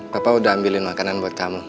bapak udah ambilin makanan buat kamu